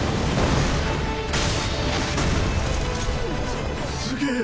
すすげぇ。